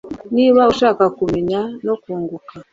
Niba ushaka kumenya ko ngukunda